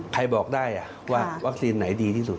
ใครบอกได้ว่าวัคซีนไหนดีที่สุด